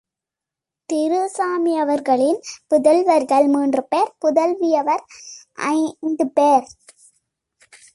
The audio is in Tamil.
திரு சாமி அவர்களின் புதல்வர்கள் மூன்றுபேர், புதல்வியவர் ஐந்து பேர்.